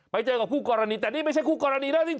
ไปเจอกับคู่กรณีแต่นี่ไม่ใช่คู่กรณีนะจริง